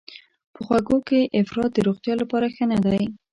په خوږو کې افراط د روغتیا لپاره ښه نه دی.